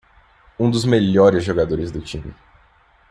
Um dos melhores jogadores do time.